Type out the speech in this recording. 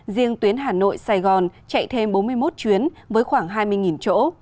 riêng tuyến hà nội sài gòn chạy thêm bốn mươi một chuyến với khoảng hai mươi chỗ